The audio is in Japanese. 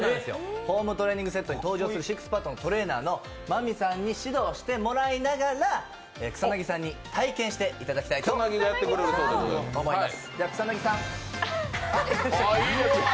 ホームトレーニングセットに登場するトレーナーのＭＡＭＩさんに指導してもらいながら草薙さんに体験していただきたいと思います。